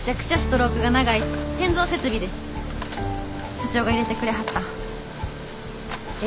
社長が入れてくれはったええ